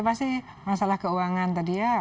pasti masalah keuangan tadi ya